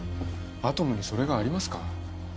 アトムにそれがありますか？